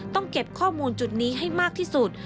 เก็บข้อมูลจุดนี้ให้มากที่สุด